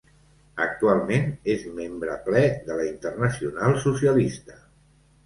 Actualment és membre ple de la Internacional Socialista.